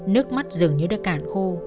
nước mắt dường như đã cạn khô